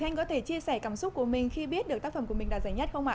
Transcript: anh có thể chia sẻ cảm xúc của mình khi biết được tác phẩm của mình đạt giải nhất không ạ